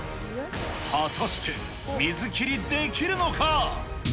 果たして水切りできるのか。